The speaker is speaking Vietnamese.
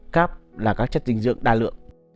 carb là các chất dinh dưỡng đa lượng